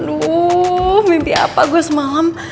nuh mimpi apa gue semalam